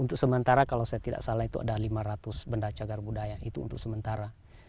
untuk sementara kalau saya tidak salah itu ada lima ratus benda cagar budaya itu untuk sementara